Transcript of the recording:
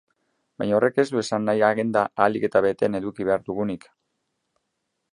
Baina horrek ez du esan nahi agenda ahalik eta beteen eduki behar dugunik.